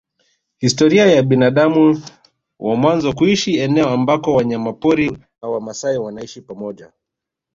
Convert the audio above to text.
Historia ya binadamu wa mwanzo kuishi eneo ambako wanyamapori na wamaasai wanaishi pamoja